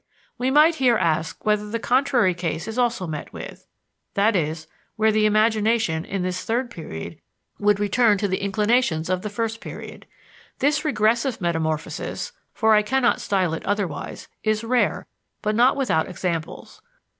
We might here ask whether the contrary case is also met with; i.e., where the imagination, in this third period, would return to the inclinations of the first period. This regressive metamorphosis for I cannot style it otherwise is rare but not without examples.